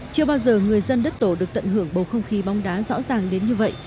chưa bao giờ người dân đất tổ được tận hưởng bầu không khí bóng đá rõ ràng đến như vậy